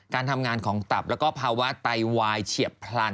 การทำงานของตับแล้วก็ภาวะไตวายเฉียบพลัน